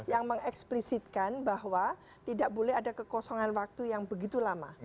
yang mengeksplisitkan bahwa tidak boleh ada kekosongan waktu yang begitu lama